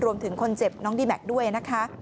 รวมถึงคนเจ็บน้องดีแม็กซ์ด้วยนะคะ